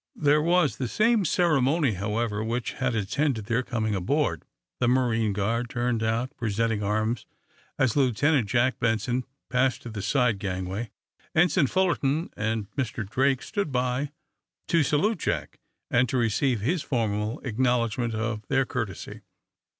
There was the same ceremony, however, which had attended their coming aboard. The marine guard turned out, presenting arms as Lieutenant Jack Benson passed to the side gangway. Ensign Fullerton and Mr. Drake stood by to salute Jack, and to receive his formal acknowledgment of their courtesy.